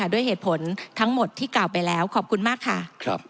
ด้วยเหตุผลทั้งหมดที่กล่าวไปแล้วขอบคุณมากค่ะ